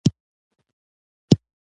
متلونه د قافیې او وزن لرونکي دي